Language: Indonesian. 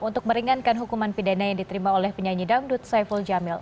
untuk meringankan hukuman pidana yang diterima oleh penyanyi dangdut saiful jamil